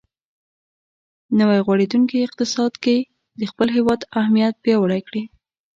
نوی غوړېدونکی اقتصاد کې د خپل هېواد اهمیت پیاوړی کړي.